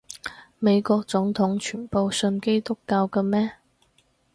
美國總統全部信基督教嘅咩？